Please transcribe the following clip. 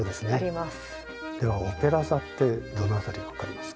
ではオペラ座ってどの辺りか分かりますか？